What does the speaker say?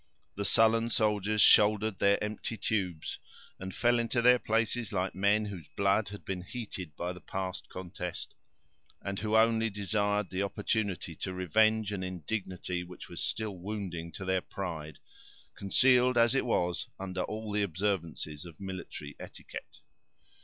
The sullen soldiers shouldered their empty tubes and fell into their places, like men whose blood had been heated by the past contest, and who only desired the opportunity to revenge an indignity which was still wounding to their pride, concealed as it was under the observances of military etiquette.